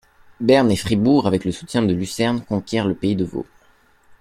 Berne et Fribourg, avec le soutien de Lucerne, conquièrent le Pays de Vaud.